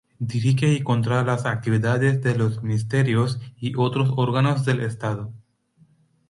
Dirige y controla las actividades de los ministerios y otros órganos del Estado.